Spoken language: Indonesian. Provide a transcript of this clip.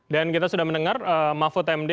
dan kita sudah mendengar mahfud md menko polhukam